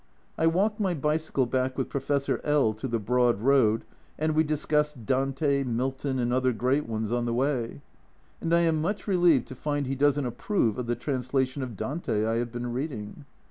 I walked my bicycle back with Professor L to the broad road, and we discussed Dante, Milton, and other great ones on the way, and I am much relieved to find he doesn't approve of the translation of Dante I have been reading.